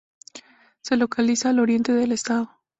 Se localiza al oriente del estado.